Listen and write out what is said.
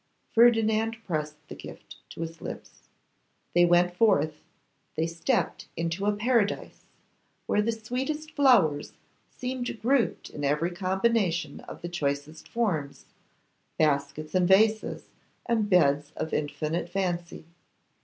Ferdinand pressed the gift to his lips. They went forth; they stepped into a Paradise, where the sweetest flowers seemed grouped in every combination of the choicest forms; baskets, and vases, and beds of infinite fancy.